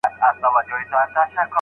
یو خو دا چي نن مي وږي ماشومان دي